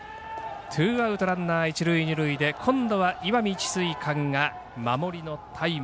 ツーアウト、ランナー一塁、二塁で今度は石見智翠館が守りのタイム。